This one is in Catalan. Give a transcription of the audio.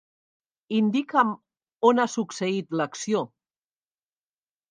Indica'm on ha succeït l'acció.